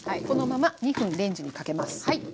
このまま２分レンジにかけます。